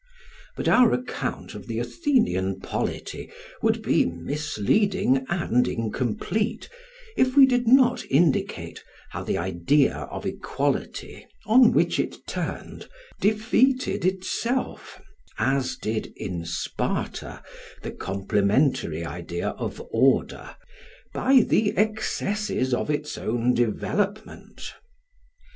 But our account of the Athenian polity would be misleading and incomplete if we did not indicate how the idea of equality, on which it turned, defeated itself, as did, in Sparta, the complementary idea of order, by the excesses of its own development.